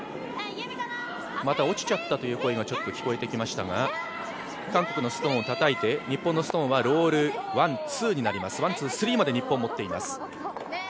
「また落ちちゃった」という声が聞こえてきましたが韓国のストーンをたたいて、日本のストーンはロールワン、ツー、スリーまで日本が持っています。